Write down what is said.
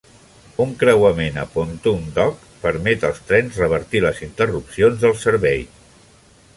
Un creuament a Pontoon Dock permet als trens revertir les interrupcions del servei.